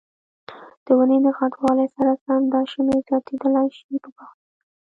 د ونې د غټوالي سره سم دا شمېر زیاتېدلای شي په پښتو ژبه.